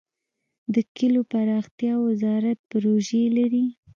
د کلیو پراختیا وزارت پروژې لري؟